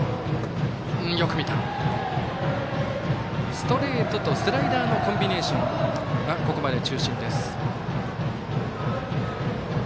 ストレートとスライダーのコンビネーションがここまで中心です。